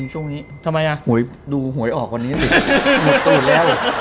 ช่วงนี้ทำไมอ่ะหวยดูหวยออกวันนี้สิหมดตูดแล้ว